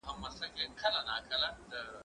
زه پوښتنه نه کوم!